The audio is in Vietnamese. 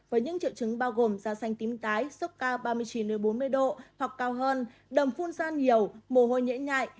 với những triệu chứng bao gồm da xanh tím tái suốt cao ba mươi chín bốn mươi độ hoặc cao hơn đầm phun sa nhiều mồ hôi nhẹ nhại